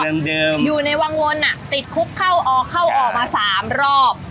พอมาเซมตออยู่ในวังวลอะติดคุกเข้าออกมา๓รอบ